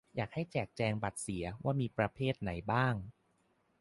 อยากให้แจกแจงบัตรเสีย ว่ามีประเภทไหนบ้าง